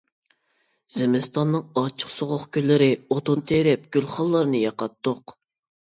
زىمىستاننىڭ ئاچچىق سوغۇق كۈنلىرى، ئوتۇن تېرىپ گۈلخانلارنى ياقاتتۇق.